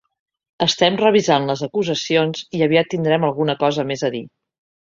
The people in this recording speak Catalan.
Estem revisant les acusacions i aviat tindrem alguna cosa més a dir.